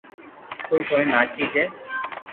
خوس ھوئين ناچي جي